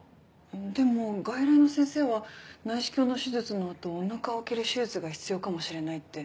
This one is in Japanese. でも外来の先生は内視鏡の手術の後お腹を切る手術が必要かもしれないって。